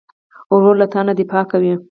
ورور له تا نه دفاع کوي.